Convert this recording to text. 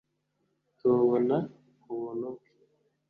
tuwubona ku buntu bwe